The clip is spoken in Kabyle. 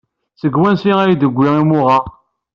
Seg wansi ay d-yewwi umuɣ-a?